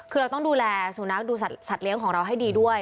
คือเราต้องดูแลสุนัขดูสัตว์เลี้ยงของเราให้ดีด้วย